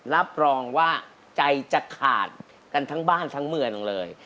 รับรองว่าใจจะขาดกันทั้งบ้านทั้งเมืองเลย